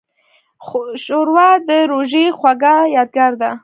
ښوروا د روژې خوږه یادګار ده.